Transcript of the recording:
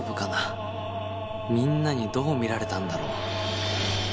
みんなにどう見られたんだろう？